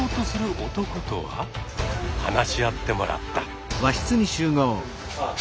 話し合ってもらった。